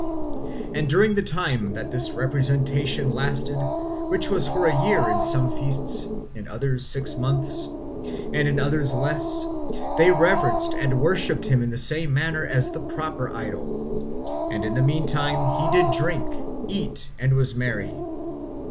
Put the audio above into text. And during the time that this representation lasted, which was for a year in some feasts, in others six months, and in others less, they reverenced and worshipped him in the same manner as the proper idol; and in the meantime he did eat, drink, and was merry.